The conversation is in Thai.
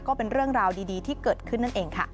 ก็เป็นเรื่องราวดีที่เกิดขึ้นนั่นเองค่ะ